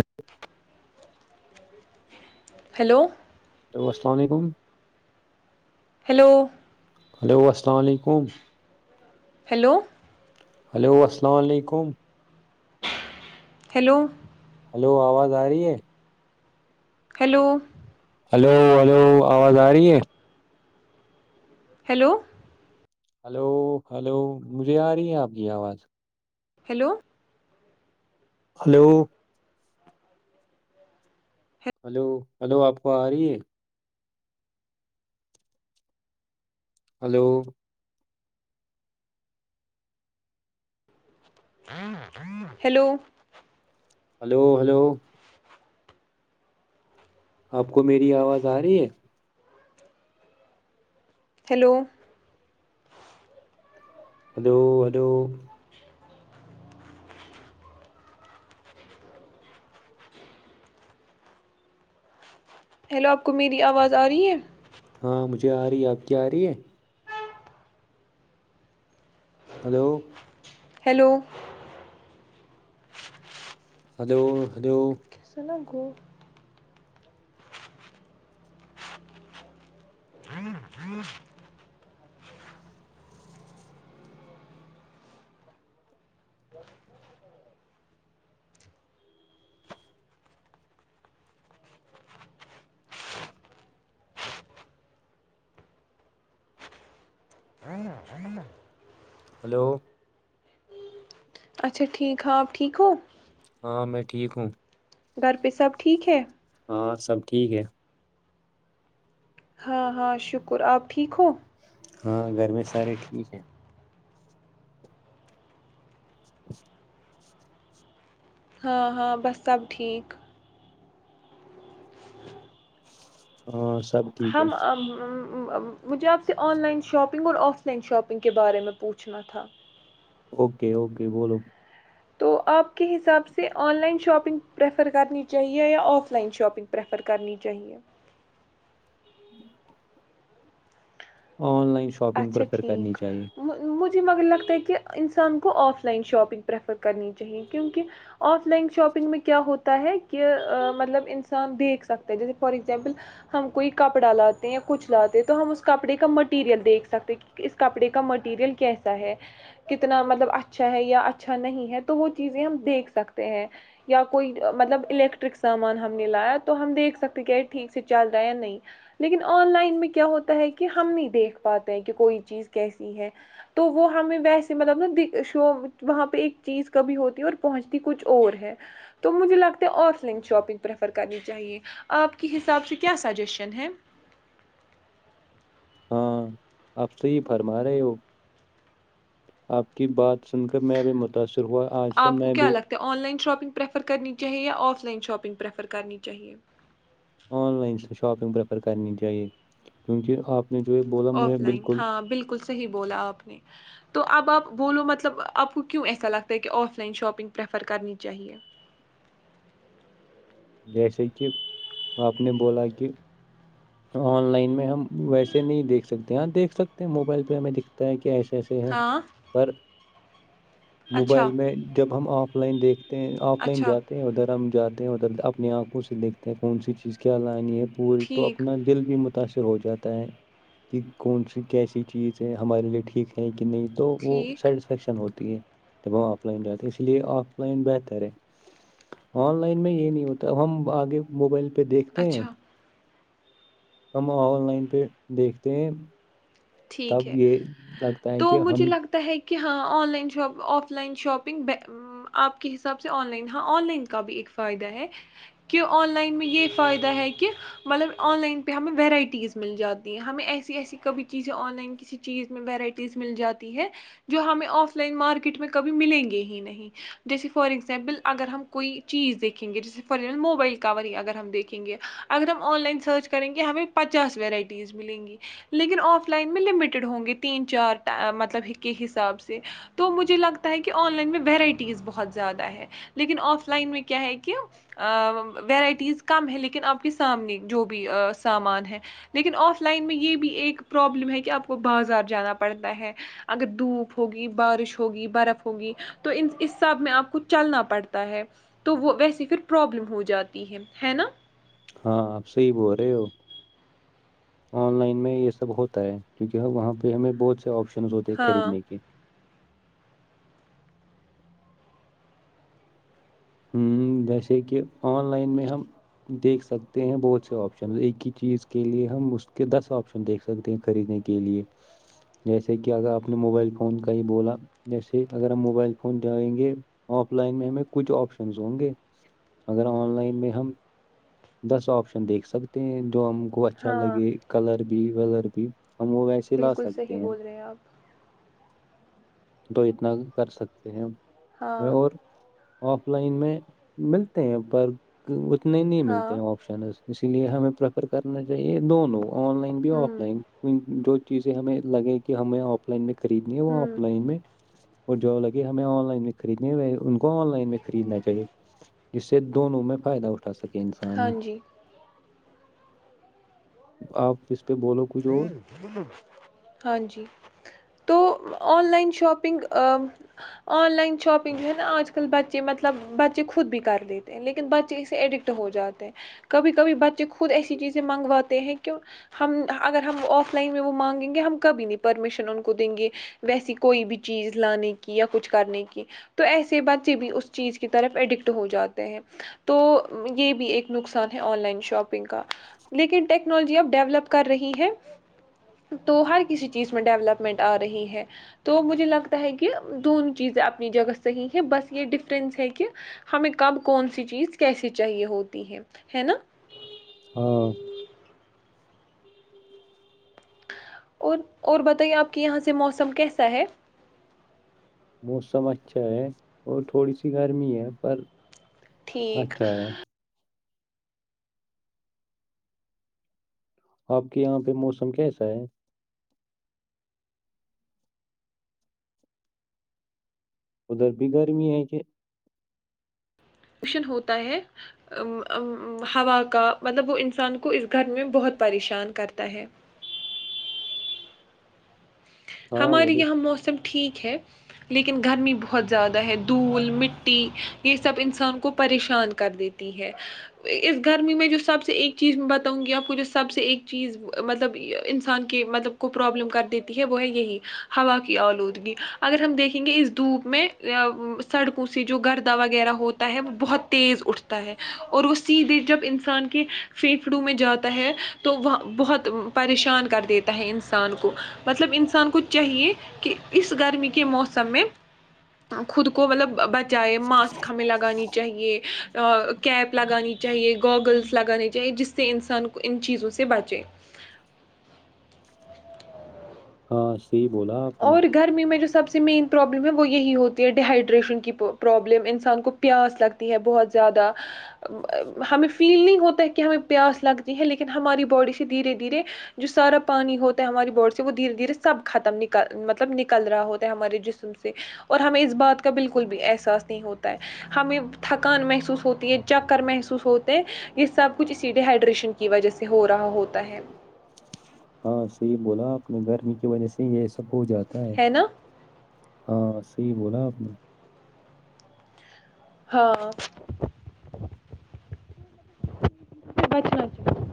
ہ hello [inaudible] hello hello السلام علیکم ہیلو ہلو السلام علیکم ہیلو ہلو آواز آ رہی ہے ہیلو ہلو ہلو آواز آ رہی ہے ہیلو ہلو ہلو مجھے آ رہی ہے آپ کی آواز ہیلو ہلو ہلو ہلو آپ کو آ رہی ہے ہلو ہیلو ہلو ہلو آپ کو میری آواز آ رہی ہے ہیلو ہلو ہلو ہیلو آپ کو میری آواز آ رہی ہے ہاں مجھے آ رہی ہے آپ کیا آ رہی ہے ہلو ہیلو ہلو ہلو گو ہوں ہوں ہلو اچھا ٹھیک آپ ٹھیک ہو ہاں میں ٹھیک ہوں گھر پہ سب ٹھیک ہے ہاں سب ٹھیک ہے ہاں ہاں شکر آپ ٹھیک ہو ہاں گھر میں سارے ٹھیک ہیں [unintelligible] ہاں ہاں بس سب ٹھیک ا ہم مجھے آپ سے آن لائن شاپنگ اور آف لائن شاپنگ کے بارے میں پوچھنا تھا اوکے اوکے بولو تو آپ کے حساب سے online shopping prefer prefer کرنی چاہیے یا آف لائن شاپنگ پریفر کرنی چاہیے ج اورن لائ شاپنگ پر اکر کرنی چاہیے م لگتا ہے کہ انسان کو آف لائن شاپنگ پریفر کرنی چاہیے کیونکہ آف لائن شاپنگ میں کیا ہوتا ہے کہ مطلب انسان دیکھ سکتا ہے جیسے فار ایگزامپل ہم کوئی کپڑا لاتے ہیں یا کچھ لاتے ہیں تو ہم اس کپڑے کا مٹیریل دیکھ اس کپڑے کا مٹیریل کیسا ہے کتنا مطلب اچھا ہے یا اچھا نہیں ہے تو وہ چیزیں ہم دیکھ سکتے ہیں یا کوئی مطلب الیکٹرک سامان ہم نے لایا تو ہم دیکھ سکتے کہ ٹھیک سے چل رہا ہے یا نہیں لیکن آن لائن میں کیا ہوتا ہے کہ ہم نہیں دیکھ پاتے کہ کوئی چیز کیسی ہے تو وہ ہمیں ویسے مطلب ن ش وہاں پہ ایک چیز کبھی ہوتی اور پہنچتی کچھ اور ہے تو مجھے لگتا ہے آف لائن شاپنگ پریفر کرنی چاہیے آپ کے حساب سے کیا سجیشن ہے ہاں آپ سےی فرما رہے ہو آپ کی بات سن کر میں ابھی متاثر ہوا آج آ سے کو میں کیا بھی لگتا ہے online shopping shopping prefer کرنی چاہیے یا آف لائن شاپنگ پریفر کرنی چاہیے آن لائن سے شاپنگ پریفر کرنی چاہیے کیونکہ آپ نے جو یہ بولا مجھے آف لائن بالکل ہاں بالکل صحیح بولا آپ نے تو اب آپ بولو مطلب آپ کو کیوں ایسا لگتا ہے کہ آف لائن شاپنگ پریفر کرنی چاہیے جیسے کہ آپ نے بولا کہ آن لائن میں ہم ویسے نہیں دیکھ سکتے ہاں دیکھ سکتے ہیں موبائل پہ ہمیں دکھتا ہے کہ ایسا ایسے ہیں ہاں پر اچھا موبائل میں جب ہم آپ پلائن دیک آف لائن اچھا جاتے ہیں ادھر ہم جاتے ہیں مد اپنی آنکھوں سے دیکھتا ہے کون سی چیز کیا لانی ہے پوری تو ٹھیک اپنا دل بھی متاثر ہو جاتا ہے کہ کون سی کیسی چیز ہے ہمارے لیے ٹھیک ہے کہ نہیں تو وہ ٹھیک، سیٹسفیکشن ہوتی ہے وہ آف لائن جاتے اس لیے آف لائن بہتر ہے آن لائن میں یہ نہیں ہوتا تب ہم آگے موبائل پ پہ دیکھتے ہیں اچھا، ہم آن لائن پہ دیکھتے ہیں ٹھیک تب ہے۔ یہ لگتا ہے تو کہ مجھے ہم لگتا ہے کہ ہاں online shop offline shopping آپ کے حساب سے آن لائن ہاں آن لائن کا بھی ایک فائدہ ہے کہ آن لائن میں یہ فائدہ ہے کہ مطلب آن لائن پہ ہمیں ورائٹیز مل جاتی ہیں ہمیں ایسی ایسی کبھی ات کیں گ جیسے فگر چیز دیکھیں گے جیو دیکھیں گے ا ل سرچ کریں گے پاس میں گی آف لائن میں لمیٹیڈ ہوں گے تین چار مطلب کے حساب سے تو مجھے لگتا ہے کہ آن لائن میں ویرائٹیز بہت زیادہ ہے لیکن آف لائن میں کیا ہے کہ ویرائٹیز کم ہے لیکن آپ کے سامنے جو بھی سامان ہے لیکن آف لائن میں یہ بھی ایک پرابلم ہے کہ آپ کو بازار جانا پڑتا ہے اگر دھوپ ہوگی بارش ہوگی برف ہوگی تو اس سب میں آپ کو چلنا پڑتا ہے تو وہ ویسیے پھر پرابلم ہو جاتی ہے ہے نا ہاں آپ سےی بول رہے ہو آن لائن میں یہ سب ہوتا ہے کیونکہ وہاں پہ ہمیں بہت سے آپشن ہوتے ہاں خریدنے کے ہ جیسے کہ آن لائن میں ہم دیکھ سکتے ہیں بہت سے آپشن ایک ہی چیز کے لیے ہم اس کے دس آپشن دیکھ سکتے ہیں خریدنے کے لیے جیسے کہ اگر آپ نے موبائل فون کا ہی بولا جیسے اگر ہم موبائل فون جائیں گے آف لائن میں ہمیں کچھ آپشن ہوں گے اگر آن لائن میں ہم دس آپشن دیکھ سکتے ہیں جو ہم کو اچھا ہاں لگے کلر بھی زر بھی ہم وہ ویسے لا بالکل سکتے صحیح بول رہے ہیں آپ تو اتنا کر سکتے ہیں ہاں اور آف لائن میں ملتے ہیں ب انے نہیں ملتے ہاں ہیں آپشن اس اس لیے ہمیں پرریفر کرنا یہ دونوں آن لائن بھی آف ہوں لائن جو چیزیں ہمیں لگے کہ ہمیں آف لائن میں قریب نہیں ہوا ہوں لائن میٹ اور جو لگے ہمیں آن لائن میں خریدنی ان کو آن لائن میں خریدنا چاہیے جس سے دونوں میں فائدہ اٹھا سکے کہ ہاں انسان جی آپ پہ بولو کچھ اور ہاں جی تو online shopping online shopping جو ہے نا آج کل بچے مطلب بچے خود بھی کر لیتے ہیں لیکن بچے اس سے ایڈکٹ ہو جاتے ہیں کبھی کبھی بچے خود ایسی چیزیں منگواتے ہیں کہ ہم اگر ہم آف لائن میں وہ مانگیں گے ہم کبھی نہیں پرمیشن ان کو دیں گے ویسی کوئی بھی چیز لانے کی یا کچھ کرنے کی تو ایسے بچے بھی اس چیز کی طرف ایڈکٹ ہو جاتے ہیں تو یہ بھی ایک نقصان ہے آن لائن شاپنگ کا لیکن ٹیکنالوجی اب ڈیولپ کر رہی ہے تو ہر کسی چیز میں ڈیولپمنٹ آ رہی ہے تو مجھے لگتا ہے کہ دونوں چیزیں اپنی جگہ سےحی ہے بس یہ ڈفرینس ہے کہ ہمیں کب کون سی چیز کیسے چاہیے ہوتی ہے ہے نا ہاں اور اور بتائیے آپ کے یہاں سے موسم کیسا ہے موسم اچھا ہے اور تھوڑی سی گرمی ہے پر ٹھیک اچھا ہے آپ کے یہاں پہ موسم کیسا ہے ادھر بھی گرمی ہے کہ پشن ہوتا ہے ہوا کا مطلب وہ انسان کو اس گھر میں بہت پریشان کرتا ہے ہاں وہ ہمارے یہاں موسم ٹھیک ہے لیکن گرمی بہت زیادہ ہے دھول مٹی یہ سب انسان کو پریشان کر دیتی ہے اس گرمی میں جو سب سے ایک چیز میں بتاؤں گی آپ کو جو سب سے ایک چیز مطلب انسان کے مطلب کو پرابلم کر دیتی ہے وہ ہے یہی ہوا کی آلودگی اگر ہم دیکھیں گے اس دھوپ میں سڑکوں سے جو گردہ وغیرہ ہوتا ہے وہ بہت تیز اٹھتا ہے اور وہ سیدھے جب انسان کے پھیپڑوں میں جیادہ ہے تو وہ بہت پریشان کر دیتا ہے انسان کو مطلب انسان کو چاہیے کہ اس گرمی کے موسم میں خود کو مطلب بچ جائے ماسک ہمیں لگانی چاہیے کیب لگانی چاہیے گوگلس لگانے چاہیے جس سے انسان کو ان چیزوں سے بچے ہاں صی بولا آپ نے اور گرمی میں جو سب سے مین پرابلم ہے وہ یہی ہوتی ہے ڈیہائیڈریشن کی پرابلم انسان کو پیاس لگتی ہے بہت زیادہ ہمیں فیل نہیں ہوتا ہے کہ ہمیں پیاس لگتی ہے لیکن ہماری باڈی سے دھیرے دھیرے جو سارا پانی ہوتا ہے ہماری باڈی سے وہ دھیرے دھیرے سب ختم نک مطلب نکل رہا ہوتا ہے ہمارے جسم سے اور ہمیں اس بات کا بالکل بھی احساس نہیں ہوتا ہے ہمیں تھکان محسوس ہوتی ہے چکر محسوس ہوتا ہے یہ سب کچھ اسی ڈیہائیڈریشن کی وجہ سے ہو رہا ہوتا ہے ہاں صی بولا اپنے گرمی کی وجہ سے یہ سب ہو جاتا ہے ہاں صحیح بولا آپ نے ہاں بچنا چاہ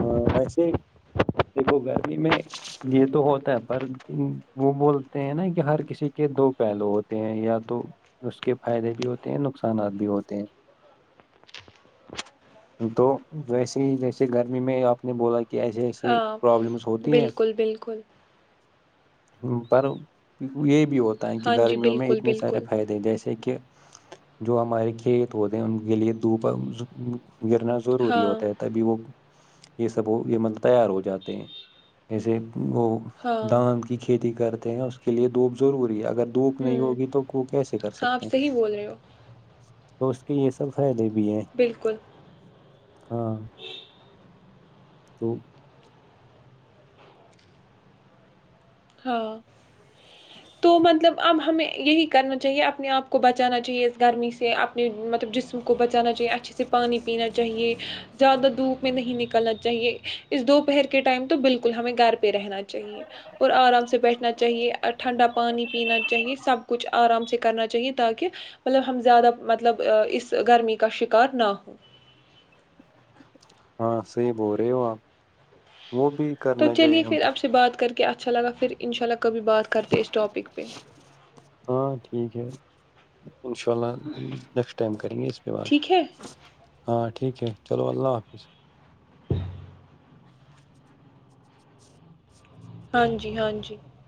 ہاں ویسے دیکھو گرمی میں یہ تو ہوتا ہے پر وہ بولتے ہیں نا کہ ہر کسی کے دو پہلو ہوتے ہیں یا تو اس کے فائدے بھی ہوتے ہیں نقصانات بھی ہوتے ہیں تو ویسے ہی جیسے گرمی میں آپ نے بولا کہ کہ ایسے ایسے ہاں پرابلمس ہوتی ہیں بالکل بالکل ہ پر یہی بھی ہوتا ہوتا کہ ہاں جی گرمیوں میں بالکل اتنے سارے بالکل فائدے ہیں جیسے کہ جو ہمارے کھیت ہوتے ہیں ان کے لیے دپ گرنا ضروری ہاں ہوتا ہے تبھی وہ یہ سب ہو یہ مطلب تیار ہو جاتے ہیں جیسے وہ ہاں دھان کی کھیتی کر ہیں اس کے لیے دھپضروری ہے اگر اگر دھوپ نہیں ہوں ہوگی تو ک کیسے کر ہاں آپ سکتے ہیں صحیح بول رہے ہو تو اس کی یہ سب ہے نہیں بالکل ہاں تو ہاں تو مطلب اب ہمیں یہی کرنا چاہیے اپنے آپ کو بچانا چاہیے اس گرمی سے اپنے مطلب جسم کو کو بچانا چاہیے اچھے سے پانی پینا چاہیے زیادہ دھوپ میں نہیں نکلنا چاہیے اس دوپہر کے ٹائم تو بالکل ہمیں گھر پہ رہنا چاہیے اور آرام سے بیٹھنا چاہیے ٹھنڈا پانی پینا چاہیے سب کچھ آرام سے کرنا چاہیے تاکہ مطلب ہم زیادہ مطلب اس گرمی کا شکار نہ ہو ہاں صحی بول رہے ہو آپ وہ بھی تو کرنا چاہیے چلیے ہم پھر کو آپ سے بات کر کے اچھا لگاھر ان شاء اللہ کبھی بات کرتے اس ٹاپک پہ ان شاء اللہ نیکسٹ ٹائم کریں گے اس پہ بعد ٹھیک ہے ہاں ٹھیک ہے چلو اللہ حافظ ہاں جی ہاں جی